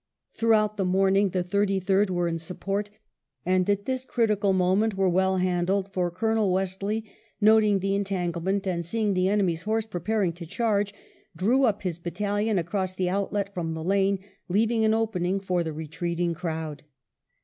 Throughout the morning the Thirty third were in support, and at this critical moment were well handled, for Colonel Wesley noting the entanglement, and seeing the enemy's horse preparing to charge, drew up his battalion across the outlet from the lane, leaving an opening for the retreating crowd.